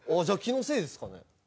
じゃあ気のせいですかね。